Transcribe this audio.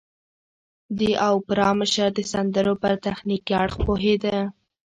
د اوپرا مشر د سندرو پر تخنيکي اړخ پوهېده.